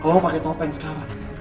selalu mikir gue ada niat jelek